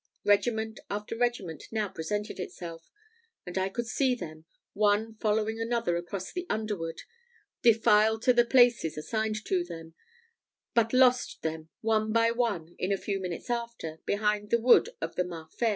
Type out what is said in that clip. Regiment after regiment now presented itself, and I could see them, one following another across the underwood, defile to the places assigned to them, but lost them one by one in a few minutes after, behind the wood of the Marfée.